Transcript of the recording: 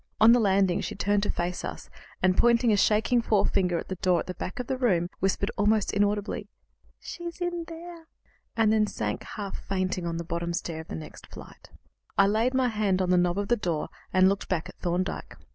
On the landing she turned to face us, and pointing a shaking forefinger at the door of the back room, whispered almost inaudibly, "She's in there," and then sank half fainting on the bottom stair of the next flight. I laid my hand on the knob of the door, and looked back at Thorndyke.